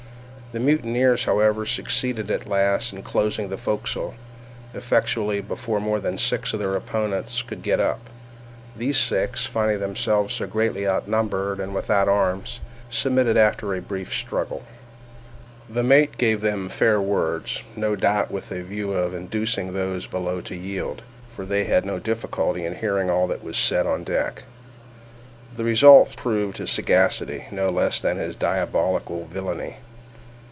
The mutineers, however, succeeded at last in closing the forecastle effectually before more than six of their opponents could get up. These six, finding themselves so greatly outnumbered and without arms, submitted after a brief struggle. The mate gave them fair words—no doubt with a view of inducing those below to yield, for they had no difficulty in hearing all that was said on deck. The result proved his sagacity, no less than his diabolical villainy.